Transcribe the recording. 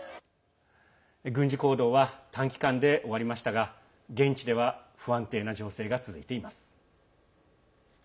軍事行動は短期間で終わりましたが現地では不安定な情勢が続いています。